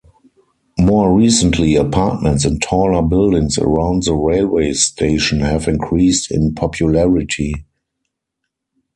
More recently apartments in taller buildings around the railway station have increased in popularity.